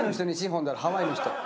ほんだらハワイの人。